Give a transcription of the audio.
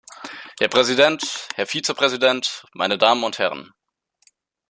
Herr Präsident, Herr Vizepräsident, meine Damen und Herren!